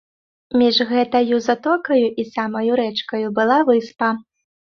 Між гэтаю затокаю і самаю рэчкаю была выспа.